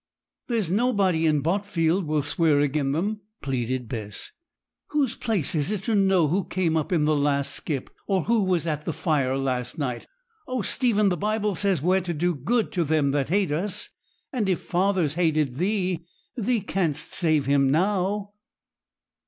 'There's nobody in Botfield will swear agen them,' pleaded Bess. 'Whose place is it to know who came up in the last skip, or who was at the fire last night? Oh, Stephen, the Bible says we're to do good to them that hate us. And if father's hated thee, thee canst save him now.'